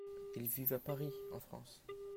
Ils vivent à Paris, en France.